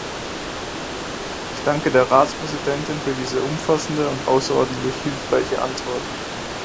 Ich danke der Ratspräsidentin für diese umfassende und außerordentlich hilfreiche Antwort.